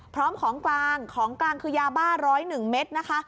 พร้อมของกลางของกลางคือยาบ้า๑๐๑เม็ดนะคะ